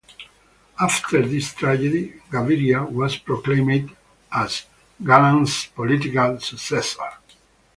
After this tragedy, Gaviria was proclaimed as Galan's political successor.